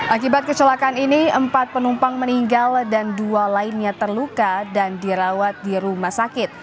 akibat kecelakaan ini empat penumpang meninggal dan dua lainnya terluka dan dirawat di rumah sakit